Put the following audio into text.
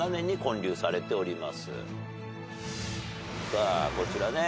さあこちらね。